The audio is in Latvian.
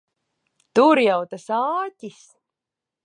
Tur jau tas āķis!